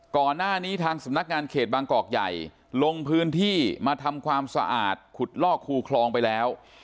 ก่อนหน้านี้ทางสำนักงานเขตบางกอกใหญ่ลงพื้นที่มาทำความสะอาดขุดลอกคูคลองไปแล้ว